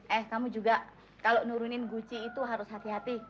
eh kamu juga kalau nurunin guci itu harus hati hati